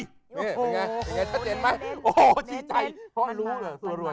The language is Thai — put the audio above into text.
โอ้โฮเน้นเพราะรู้สัวรวย